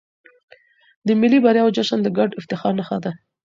د ملي بریاوو جشن د ګډ افتخار نښه ده.